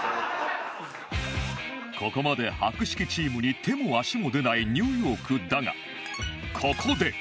ここまで博識チームに手も足も出ないニューヨークだがここで